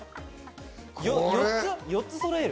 ４つそろえる？